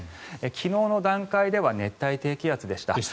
昨日の段階では熱帯低気圧でした。